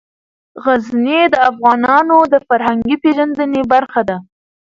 غزني د افغانانو د فرهنګي پیژندنې برخه ده.